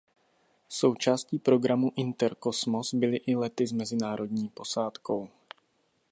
Součástí programu Interkosmos byly i lety s mezinárodní posádkou.